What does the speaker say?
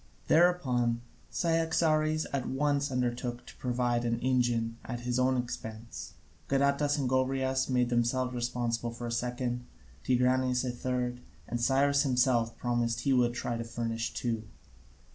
Thereupon Cyaxares at once undertook to provide an engine at his own expense, Gadatas and Gobryas made themselves responsible for a second, Tigranes for a third, and Cyrus himself promised he would try to furnish two.